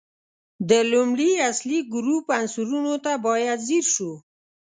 د لومړي اصلي ګروپ عنصرونو ته باید ځیر شو.